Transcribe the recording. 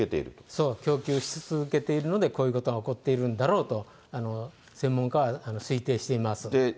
そう、供給し続けているので、こういうことが起こっているんだろうと、専門家は推定しています。